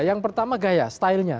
yang pertama gaya stylenya